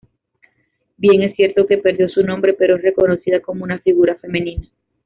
Bien es cierto que perdió su nombre, pero es reconocida como una figura femenina.